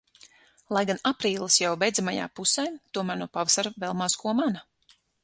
Lai gan aprīlis jau beidzamajā pusē, tomēr no pavasara vēl maz ko mana.